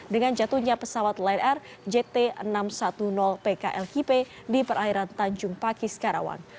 dengan jatuhnya pesawat lion air jt enam ratus sepuluh pklkp di perairan tanjung pakis karawang